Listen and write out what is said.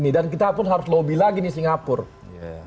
dan kita pun harus lobby lagi nih singapura